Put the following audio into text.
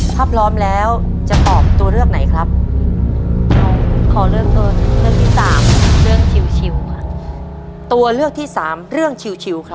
พร้อมแล้วจะตอบตัวเลือกไหนครับขอเลือกตัวเลือกที่สามเรื่องชิวชิวค่ะ